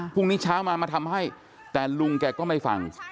พรุ่งนี้เช้ามามาทำให้แต่ลุงแกก็ไม่ฟัง